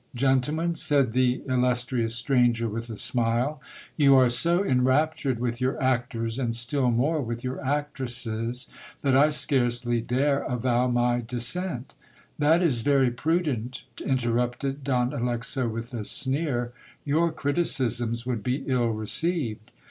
Gentlemen, said the illus CRITICISM UPON THE ACTRESSES. 95 ;rious stranger with a smile, you are so enraptured with your actors, and still more with your actresses, that I scarcely dare avow my dissent That is very prudent, interrupted Don Alexo with a sneer, your criticisms would be ill re ceived.